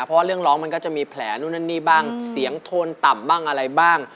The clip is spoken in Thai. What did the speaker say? เพราะว่าเรื่องร้องมันก็จะมีแผลนู่นนั่นนี่บ้างเสียงโทนต่ำบ้างอะไรบ้าง